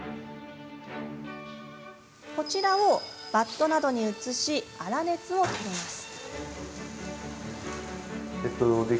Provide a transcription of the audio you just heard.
それをバットなどに移し粗熱を取ります。